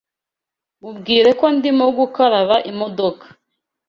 Mubwire ko ndimo gukaraba imodoka.